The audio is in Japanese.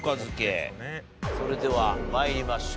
それでは参りましょう。